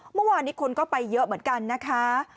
เมื่อวานนี้คนก็ไปเยอะเหมือนกันนะคะ